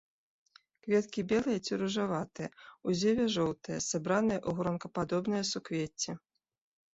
Кветкі белыя ці ружаватыя, у зеве жоўтыя, сабраныя ў гронкападобныя суквецці.